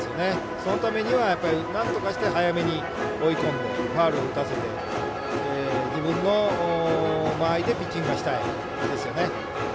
そのためには何とかして早めに追い込んでファウルを打たせて自分の間合いでピッチングがしたいですよね。